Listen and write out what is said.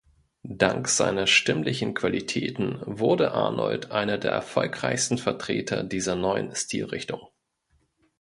Dank seiner stimmlichen Qualitäten wurde Arnold einer der erfolgreichsten Vertreter dieser neuen Stilrichtung.